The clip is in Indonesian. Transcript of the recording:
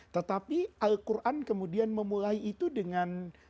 tetapi al quran kemudian memulai itu dengan